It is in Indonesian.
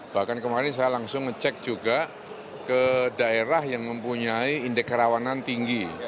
bahkan kemarin saya langsung ngecek juga ke daerah yang mempunyai indeks kerawanan tinggi